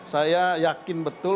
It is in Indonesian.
saya yakin betul